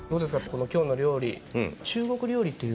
この「きょうの料理」。